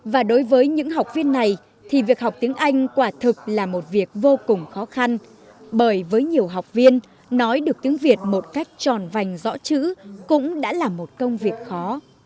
và đối với những học viên này thì việc học tiếng anh quả thực là một việc vô cùng khó khăn bởi với nhiều học viên nói được tiếng việt một cách tròn vành rõ chữ cũng đã là một công việc khó